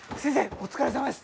お疲れさまです！